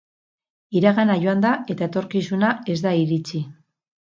Iragana joan da eta etorkizuna ez da iritsi.